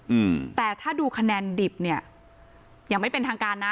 อืมแต่ถ้าดูคะแนนดิบเนี้ยอย่างไม่เป็นทางการนะ